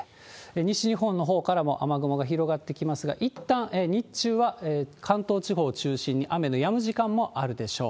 西日本のほうからも雨雲が広がってきますので、いったん日中は関東地方中心に雨がやむ時間もあるでしょう。